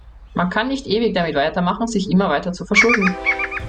Man kann nicht ewig damit weitermachen, sich immer weiter zu verschulden.